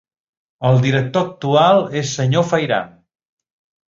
El director actual és senyor Fayram.